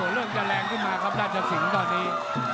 เริ่มจะแรงขึ้นมาครับราชสิงศ์ตอนนี้